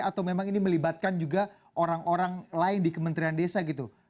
atau memang ini melibatkan juga orang orang lain di kementerian desa gitu